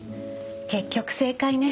結局正解ね。